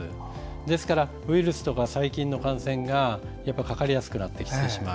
ですからウイルスとか細菌の感染がかかりやすくなってきてしまう。